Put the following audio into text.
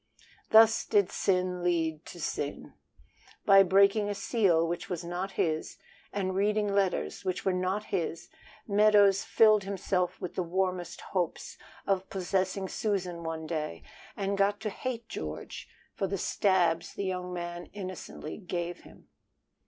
Thus did sin lead to sin. By breaking a seal which was not his and reading letters which were not his, Meadows filled himself with the warmest hopes of possessing Susan one day, and got to hate George for the stabs the young man innocently gave him.